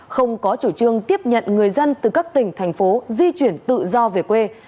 không có chủ trương tiếp nhận người dân từ các tỉnh thành phố di chuyển tự do về quê